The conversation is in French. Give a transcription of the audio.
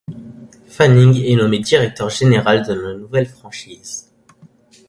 Fanning est nommé directeur général de la nouvelle franchise.